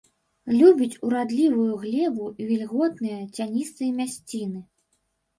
Любіць урадлівую глебу і вільготныя, цяністыя мясціны.